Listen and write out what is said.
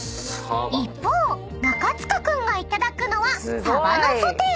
［一方中務君がいただくのは］